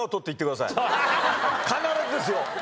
必ずですよ！